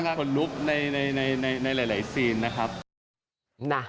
ขนลุกในหลายซีนนะครับ